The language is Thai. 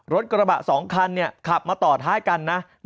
รถกระบะ๒คันขับมาต่อท้ายกันนะ